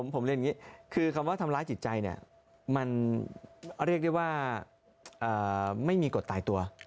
ผมเรียนอย่างนี้คือคำว่าทำร้ายจิตใจเนี่ยมันเรียกได้ว่าไม่มีกฎตายตัว